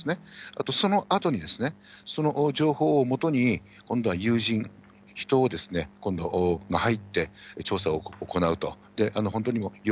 あと、そのあとに、その情報をもとに、今度は有人、人を今度、入って、調査を行うと。